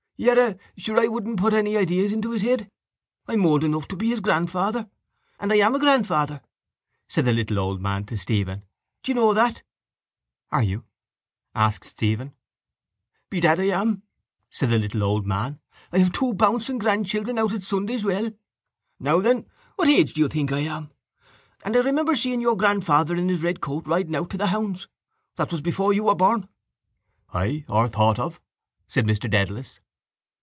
—Yerra, sure I wouldn't put any ideas into his head. I'm old enough to be his grandfather. And I am a grandfather, said the little old man to Stephen. Do you know that? —Are you? asked Stephen. —Bedad I am, said the little old man. I have two bouncing grandchildren out at Sunday's Well. Now, then! What age do you think I am? And I remember seeing your grandfather in his red coat riding out to hounds. That was before you were born. —Ay, or thought of, said Mr Dedalus.